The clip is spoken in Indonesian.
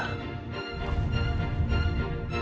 biar bagaimanapun nino karena suaminya elsa